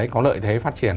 có lợi thế phát triển